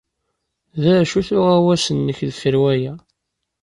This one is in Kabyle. D acu-t uɣawas-nnek deffir waya?